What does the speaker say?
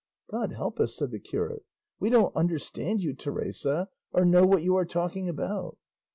"God help us," said the curate, "we don't understand you, Teresa, or know what you are talking about."